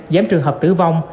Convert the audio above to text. giám trường hợp tử vong